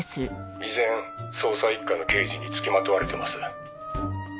「依然捜査一課の刑事に付きまとわれてます」